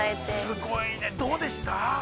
◆すごいね、どうでした？